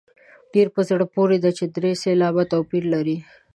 ډېره په زړه پورې ده چې درې سېلابه توپیر لري.